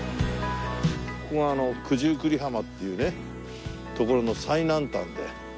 ここが九十九里浜っていう所の最南端で。